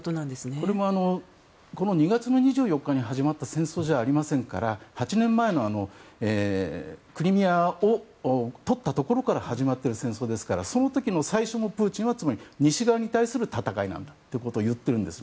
これも、２月２４日に始まった戦争ではなく８年前のクリミアをとったところから始まっている戦争ですからその時の最初のプーチンはつまり西側に対する戦いだと言っているんですね。